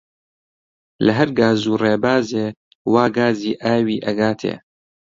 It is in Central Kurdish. لە هەر گاز و ڕێبازێ وا گازی ئاوی ئەگاتێ